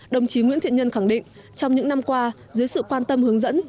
đồng chí nguyễn thiện nhân khẳng định trong những năm qua dưới sự quan tâm hướng dẫn